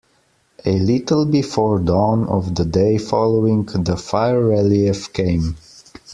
A little before dawn of the day following, the fire relief came.